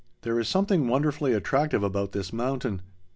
There is something wonderfully attractive about this mountain.